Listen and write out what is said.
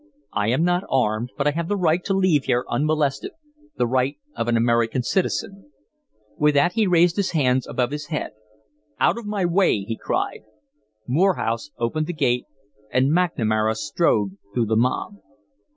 "I am not armed, but I have the right to leave here unmolested the right of an American citizen." With that he raised his arms above his head. "Out of my way!" he cried. Morehouse opened the gate, and McNamara strode through the mob.